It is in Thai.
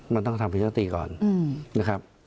มันต้องทำประชามติก่อนนะครับ